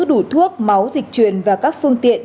đủ thuốc máu dịch truyền và các phương tiện